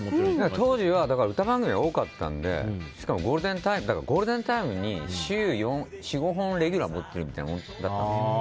当時は歌番組が多かったのでしかもゴールデンタイムに週４５本レギュラーを持っているようなものでした。